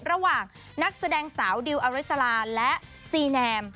ระหว่างนักแสดงสาวดิวอริสลาและซีแนม